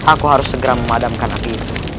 aku harus segera memadamkan api